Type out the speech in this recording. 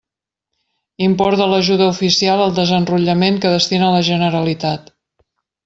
Import de l'ajuda oficial al desenrotllament que destina la Generalitat.